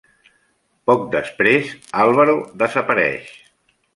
Poc després, Álvaro desapareix.